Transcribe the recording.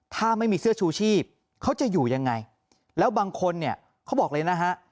ถ้าไม่มีเสื้อชูชีพเขาจะอยู่ยังไงแล้วบางคนเนี่ยเขาบอกเลยนะฮะ